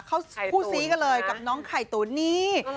เขาคู่ซี้กันเลยกับน้องไข่ตุ๋นนี่